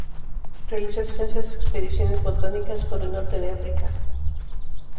Realizó extensas expediciones botánicas por el norte de África.